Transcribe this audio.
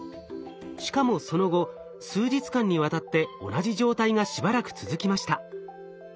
しかもその後数日間にわたって同じ状態がしばらく続きました。